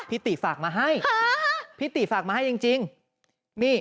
พี่ติฝากมาให้พี่ติฝากมาให้จริงจริงนี่